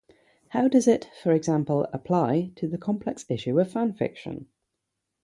How does it, for example, apply to the complex issue of fan fiction?